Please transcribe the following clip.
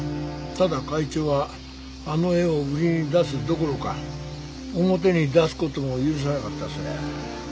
ただ会長はあの絵を売りに出すどころか表に出す事も許さなかったそうや。